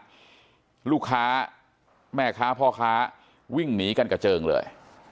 ลูกค้าแม่ค้าพ่อค้าวิ่งหนีกันกระเจิงเลย